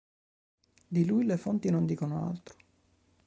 Di lui le fonti non dicono altro.